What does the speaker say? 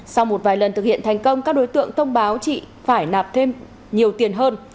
sau một vài lần thực hiện thành công các đối tượng thông báo chị phải nạp thêm nhiều tiền hơn